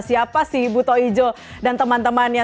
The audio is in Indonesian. siapa si buto ijo dan teman temannya